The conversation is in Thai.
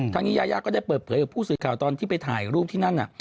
ทางนี้ยายาก็ได้เปิดเผยกับผู้สื่อข่าวตอนที่ไปถ่ายรูปที่นั่นน่ะ